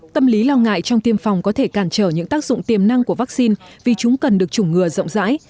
tâm lý lo ngại trong tiêm phòng có thể cản trở những tác dụng tiềm năng của vaccine vì chúng cần được chủng ngừa rộng rãi